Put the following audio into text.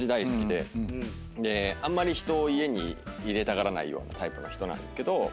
であんまり人を家に入れたがらないようなタイプの人なんですけど。